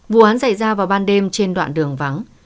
vụ án xảy ra vào ban đêm trên đoạn đường vắng